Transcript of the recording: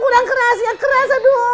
kurang kurang keras